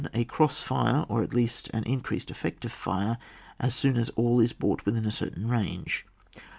A cross fire, or, at least, an increased effect of fire, as soon as all is brought within a certain range.